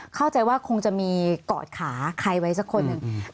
เข้าใจว่าคงจะมีกอดขาใครไว้สักคนหนึ่ง